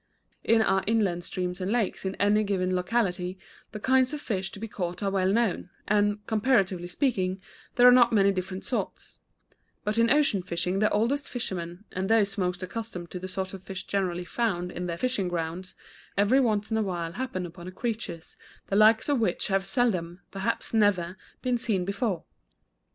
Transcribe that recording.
In our inland streams and lakes in any given locality the kinds of fish to be caught are well known, and, comparatively speaking, there are not many different sorts; but in ocean fishing the oldest fisherman, and those most accustomed to the sorts of fish generally found in their fishing grounds, every once in a while happen upon creatures the likes of which have seldom, perhaps never, been seen before.